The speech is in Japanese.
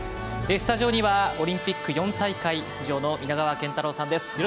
スタジオにはオリンピック４大会出場の皆川賢太郎さんです。